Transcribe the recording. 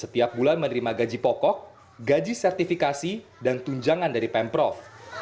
setiap bulan menerima gaji pokok gaji sertifikasi dan tunjangan dari pemprov